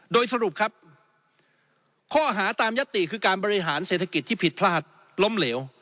โดยสรุปครับข้อหาตามยัตติคือการบริหารเศรษฐกิจที่ผิดพลาดล้มเหลว